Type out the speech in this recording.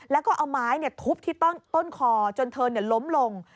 แล้วก็เอาไม้ทุบที่ต้นคอจนเธอล้มลง